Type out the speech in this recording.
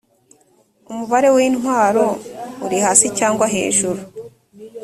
umubare w intwaro uri hasi cyangwa hejuru